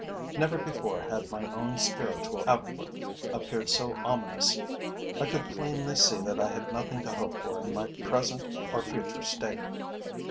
Never before had my own spiritual outlook appeared so ominous. I could plainly see that I had nothing to hope for in my present or future state.